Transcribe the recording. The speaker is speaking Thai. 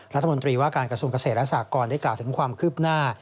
รัฐมนตรีว่าการกระทรวงเกษตรและสากรได้กล่าวถึงความคืบหน้า